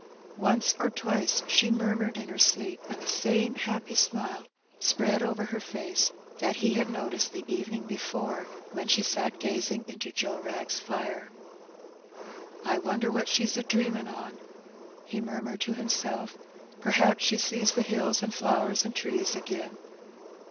Once or twice she murmured in her sleep, and the same happy smile spread over her face that he had noticed the evening before when she sat gazing into Joe Wrag's fire. '^I wonder what she^s a dreamin' on?'' he murmured to himself. ''Perhaps she sees the hills and flowers and trees agin.''